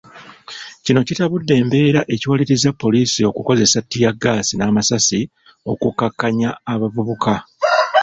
Kino kitabudde embeera ekiwalirizza poliisi okukozesa ttiyaggaasi n’amasasi okukakkaanya abavubuka.